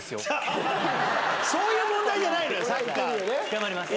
頑張ります。